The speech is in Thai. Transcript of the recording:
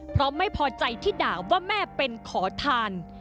เพราะไม่พอใจที่ด่าว่าแม่เป็นขอทาน